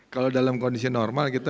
kalau dalam kondisi normal kita